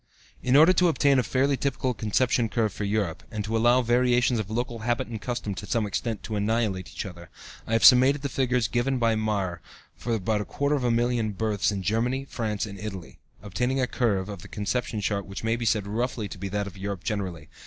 In order to obtain a fairly typical conception curve for Europe, and to allow the variations of local habit and custom to some extent to annihilate each other, I have summated the figures given by Mayr for about a quarter of a million births in Germany, France, and Italy, obtaining a curve (Chart 2) of the conception rate which may be said roughly to be that of Europe generally.